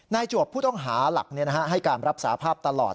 จวบผู้ต้องหาหลักให้การรับสาภาพตลอด